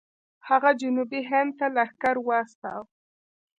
هغه جنوبي هند ته لښکر واستوه.